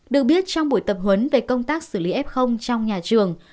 được biết trong buổi tập huấn về công tác xử lý f trong nhà trường